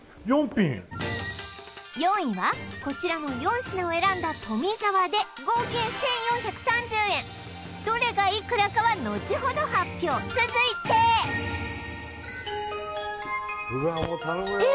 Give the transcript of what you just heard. ４品４位はこちらの４品を選んだ富澤でどれがいくらかは後ほど発表続いてうわあ